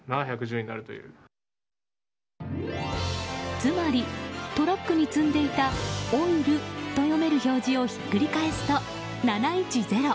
つまり、トラックに積んでいた「ＯＩＬ」と読める表示をひっくり返すと、「７１０」。